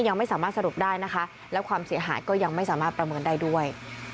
ยังไม่สามารถสรุปได้นะคะและความเสียหายก็ยังไม่สามารถประเมินได้ด้วย